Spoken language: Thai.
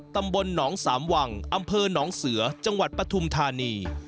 ตำบลหนองสามวังอำเภอหนองเสือจังหวัดปฐุมธานี